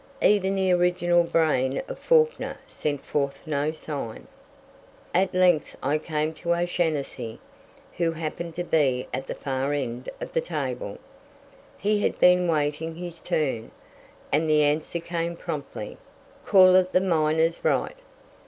Even the original brain of Fawkner sent forth no sign. At length I came to O'Shanassy, who happened to be at the far end of the table. He had been waiting his turn, and the answer came promptly, "Call it the Miner's Right."